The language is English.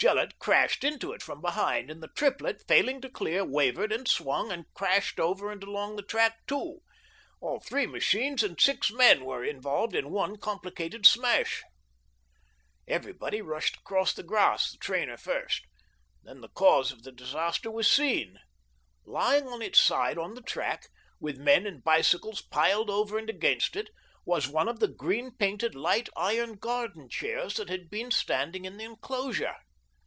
Gillett crashed into it from behind, and the triplet, failing to clear, wavered and swung, and crashed over and along the track too. All three machines and six men were involved in one complicated smash. Everybody rushed across the grass, the trainer 168 THE DOEBINGTON DEED BOX first. Then the cause of the disaster was seen. Lying on its side on the track, with men and bicycles piled over and against it, was one of the green painted light iron garden chairs that had been standing in the enclosure.